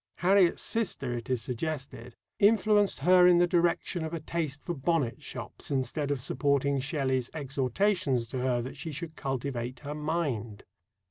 Harriet's sister, it is suggested, influenced her in the direction of a taste for bonnet shops instead of supporting Shelley's exhortations to her that she should cultivate her mind.